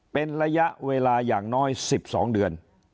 เป็นระยะเวลาอย่างน้อย๑๒เดือน